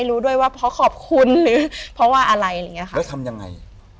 แล้วทำยังไง